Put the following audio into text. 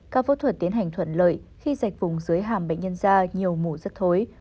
các phẫu thuật tiến hành thuận lợi khi rạch vùng dưới hàm bệnh nhân ra nhiều mũ rất thối